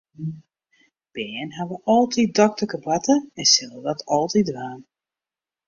Bern hawwe altyd dokterkeboarte en sille dat altyd dwaan.